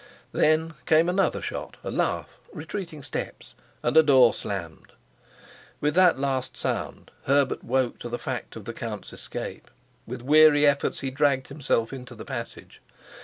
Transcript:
Then came another shot, a laugh, retreating steps, and a door slammed. With that last sound Herbert woke to the fact of the count's escape; with weary efforts he dragged himself into the passage.